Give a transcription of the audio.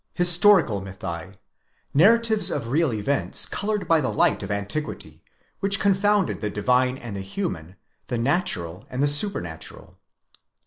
Historical mythi: narratives of real events coloured by the light of antiquity, which confounded the divine and the human, the natural and the supernatural.